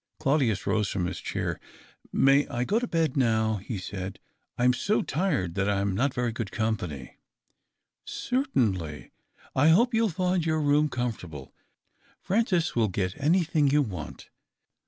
Claudius rose from bis chair, " May I gt to bed now ?" be said, *■■' I am so tired iba: I am not very good company," ' Certainly. I hope you'll £nd your room comfortabla Francis will get auTitbing you want.